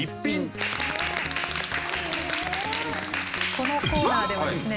このコーナーではですね